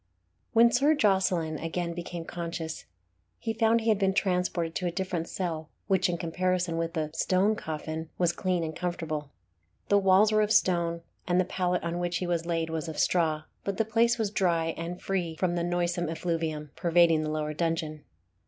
When Sir Jocelyn again became conscious, he found he had been transported to a different cell, which, in comparison with the "Stone Coffin," was clean and comfortable. The walls were of stone, and the pallet on which he was laid was of straw, but the place was dry, and free from the noisome effluvium pervading the lower dungeon.